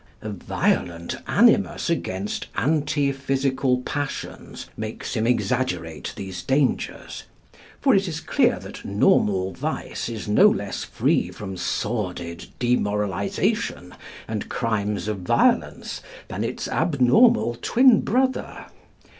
A violent animus against antiphysical passions makes him exaggerate these dangers, for it is clear that normal vice is no less free from sordid demoralisation and crimes of violence than its abnormal twin brother.